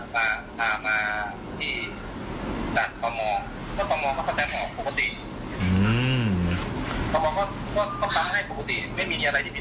พามาที่ดัดต่อมองต่อมองก็จะมองปกติ